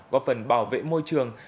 góp phần bảo vệ môi trường